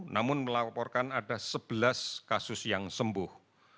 namun melaporkan ada sebelas kasus yang sembuh